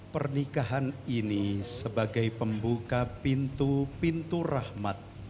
pernikahan ini sebagai pembuka pintu pintu rahmat